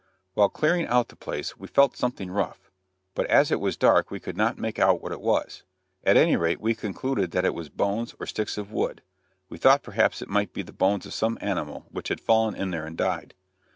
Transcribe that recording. While clearing out the place we felt something rough, but as it was dark we could not make out what it was. At any rate we concluded that it was bones or sticks of wood; we thought perhaps it might be the bones of some animal which had fallen in there and died.